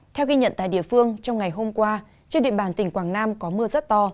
theo ghi nhận tại địa phương trong ngày hôm qua trên địa bàn tỉnh quảng nam có mưa rất to